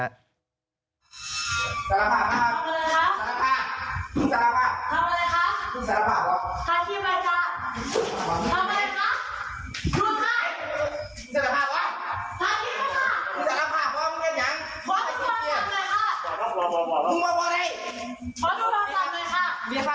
กุญญีนที่ห้องน้ำค่ะ